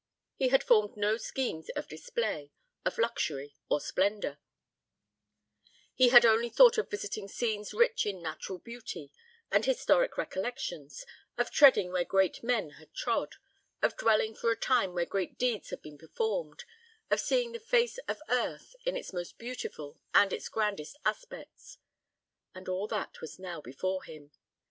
He had formed no schemes of display, of luxury, or splendour: he had only thought of visiting scenes rich in natural beauty and historic recollections; of treading where great men had trod; of dwelling for a time where great deeds had been performed; of seeing the face of earth in its most beautiful and its grandest aspects; and all that was now before him.